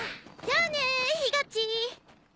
じゃあねひがっち！